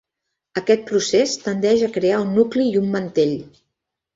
Aquest procés tendeix a crear un nucli i un mantell.